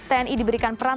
tni diberikan peran